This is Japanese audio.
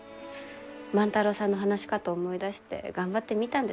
万太郎さんの話し方思い出して頑張ってみたんですけどね。